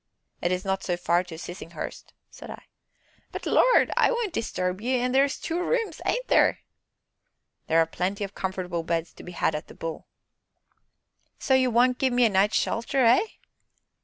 "It is not so far to Sissinghurst!" said I: "But, Lord! I wouldn't disturb ye an' there's two rooms, ain't there?" "There are plenty of comfortable beds to be had at 'The Bull.'" "So you won't gi'e me a night's shelter, eh?"